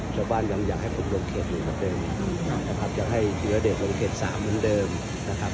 ชาวบ้านยังอยากให้ขุดลงเขตอื่นเหมือนเดิมนะครับจะให้เชื้อเด็กลงเขต๓เหมือนเดิมนะครับ